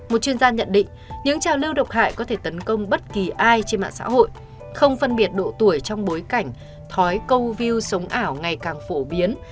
một chuyên gia nhận định những trào lưu độc hại có thể tấn công bất kỳ ai trên mạng xã hội không phân biệt độ tuổi trong bối cảnh thói viu sống ảo ngày càng phổ biến